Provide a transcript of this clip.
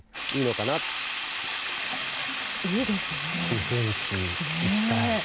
避粉地、行きたい。